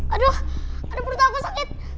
aduh ada burut aku sakit